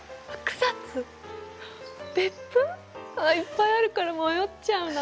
いっぱいあるから迷っちゃうな。